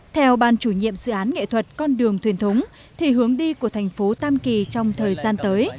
theo ban chủ nhiệm dự án nghệ thuật con đường thuyền thúng thì hướng đi của thành phố tam kỳ trong thời gian tới